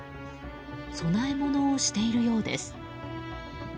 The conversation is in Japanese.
供え物をしているようです。